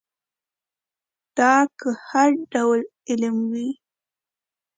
دا که هر ډول علم وي.